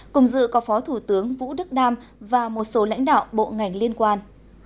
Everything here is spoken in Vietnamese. cùng dự có phó thủ tướng vũ đức đam và một số lãnh đạo bộ ngành liên quan